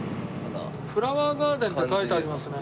「フラワーガーデン」って書いてありますね。